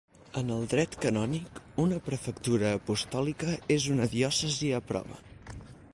En el dret canònic una prefectura apostòlica és una diòcesi a prova.